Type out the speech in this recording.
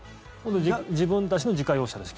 自分たちの自家用車です